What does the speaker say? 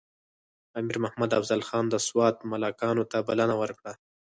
امیر محمد افضل خان د سوات ملکانو ته بلنه ورکړه.